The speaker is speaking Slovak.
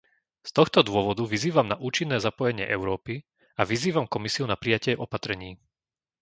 Z tohto dôvodu vyzývam na účinné zapojenie Európy a vyzývam Komisiu na prijatie opatrení.